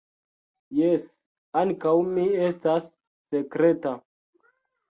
Jes, ankaŭ mi estas sekreta.